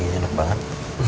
ini enak banget